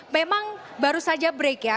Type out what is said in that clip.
memang baru saja break ya